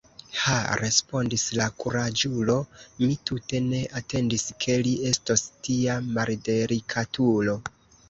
Ha, respondis la kuraĝulo, mi tute ne atendis, ke li estos tia maldelikatulo!